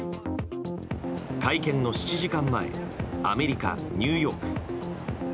会見の７時間前アメリカ・ニューヨーク。